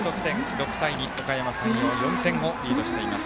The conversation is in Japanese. ６対２おかやま山陽４点をリードしています。